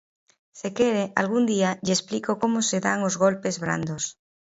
Se quere, algún día lle explico como se dan os golpes brandos.